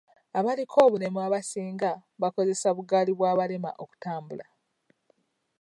Abaliko obulemu abasinga bakozesa bugaali bw'abalema okutambula.